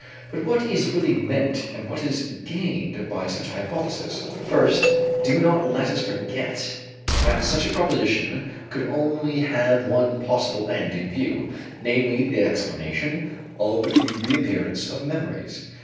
But what is really meant and what is gained by such a hypothesis? First, do not let us forget that such a proposition could only have one possible end in view, namely, the explanation of the reappearance of memories.